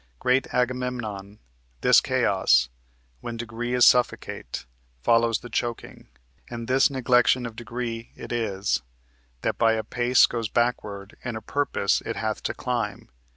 Great Agamemnon, This chaos, when degree is suffocate, Follows the choking; And this neglection of degree it is, That by a pace goes backward, in a purpose It hath to climb.